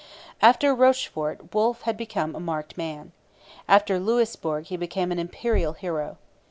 After Rochefort Wolfe had become a marked man. After Louisbourg he became an Imperial hero.